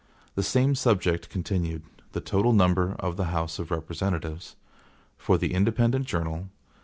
56 The Same Subject Continued (The Total Number of the House of Representatives) For the Independent Journal.